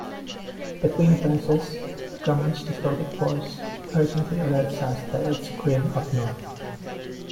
Between verses, Drummond's distorted voice urgently alerts us that "It's grim up north".